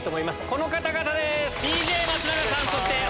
この方々です。